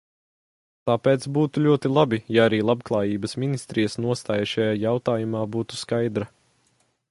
Tāpēc būtu ļoti labi, ja arī Labklājības ministrijas nostāja šajā jautājumā būtu skaidra.